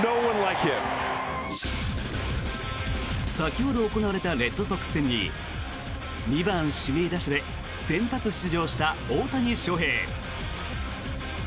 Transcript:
先ほど行われたレッドソックス戦に２番指名打者で先発出場した大谷翔平。